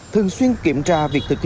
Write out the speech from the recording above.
thường xuyên kiểm tra việc chống dịch